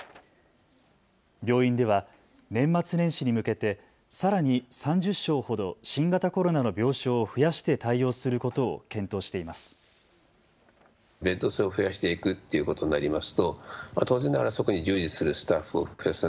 病院では年末年始に向けてさらに３０床ほど新型コロナの病床を増やして対応することを検討しています。